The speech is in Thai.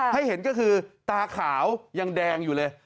ให้เห็นก็คือตาขาวยังแดงอยู่เลย